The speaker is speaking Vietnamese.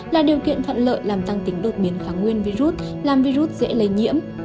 là điều kiện thuận lợi làm tăng tính đột biến kháng nguyên virus làm virus dễ lây nhiễm